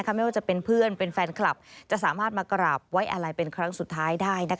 ไม่ว่าจะเป็นเพื่อนเป็นแฟนคลับจะสามารถมากราบไว้อะไรเป็นครั้งสุดท้ายได้